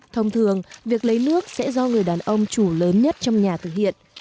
thông thường việc lấy nước sẽ do người đàn ông chủ lớn nhất trong nhà thực hiện